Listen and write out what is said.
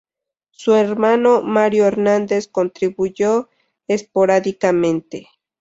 Su hermano Mario Hernandez contribuyó esporádicamente.